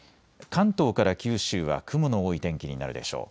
関東から九州は雲の多い天気になるでしょう。